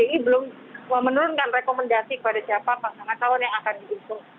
belum dikeluarkan tapi memang pdi belum menurunkan rekomendasi kepada siapa pasangan calon yang akan diusung